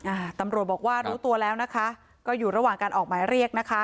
อ่าตำรวจบอกว่ารู้ตัวแล้วนะคะก็อยู่ระหว่างการออกหมายเรียกนะคะ